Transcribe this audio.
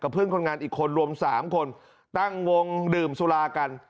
เพื่อนคนงานอีกคนรวม๓คนตั้งวงดื่มสุรากัน